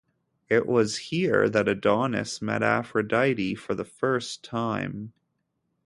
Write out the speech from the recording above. It was here that Adonis met Aphrodite for the first time.